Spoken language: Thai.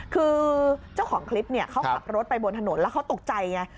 คือเจ้าของคลิปเนี่ยเขาขับรถไปบนถนนแล้วเขาตกใจไง